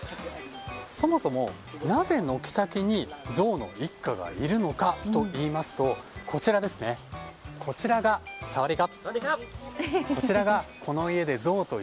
そもそもなぜ軒先にゾウの一家がいるのかといいますとサワディーカ。